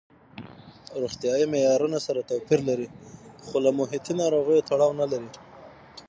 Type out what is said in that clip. روغتیايي معیارونه سره توپیر لري خو له محیطي ناروغیو تړاو نه لري.